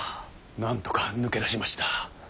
なんとか抜け出しました。